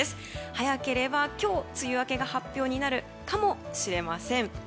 早ければ今日、梅雨明けが発表になるかもしれません。